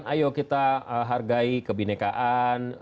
tapi kita harus menghargai kebinekaan